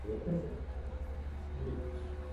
আপনার কী অবস্থা?